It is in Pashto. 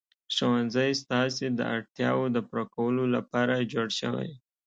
ښوونځی ستاسې د اړتیاوو د پوره کولو لپاره جوړ شوی.